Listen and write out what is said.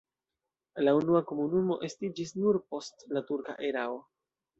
La unua komunumo estiĝis nur post la turka erao.